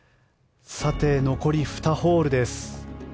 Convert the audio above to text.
残り２ホールです。